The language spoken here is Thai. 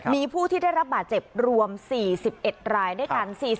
มีผู้ที่ได้รับบาดเจ็บรวม๔๑รายด้วยกัน